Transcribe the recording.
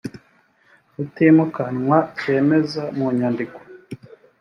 utimukanwa cyemeza mu nyandiko